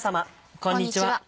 こんにちは。